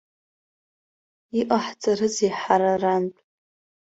Иҟаҳҵарызеи ҳара арантә?!